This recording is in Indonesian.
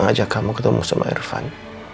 ajak kamu ketemu sama irfan